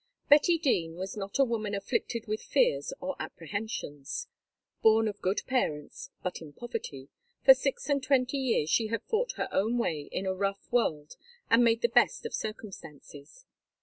Betty Dene was not a woman afflicted with fears or apprehensions. Born of good parents, but in poverty, for six and twenty years she had fought her own way in a rough world and made the best of circumstances.